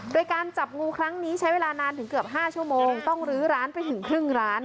โดยการจับงูครั้งนี้ใช้เวลานานถึงเกือบ๕ชั่วโมงต้องลื้อร้านไปถึงครึ่งร้าน